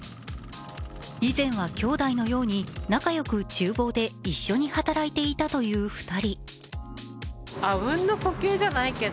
以前は兄弟のように仲良くちゅう房で一緒に働いていたという２人。